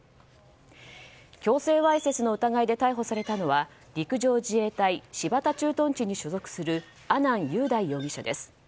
強制わいせつの疑いで逮捕されたのは陸上自衛隊新発田駐屯地に所属する阿南雄大容疑者です。